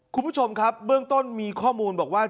คุณผู้ชมครับเบื้องต้นมีข้อมูลบอกว่า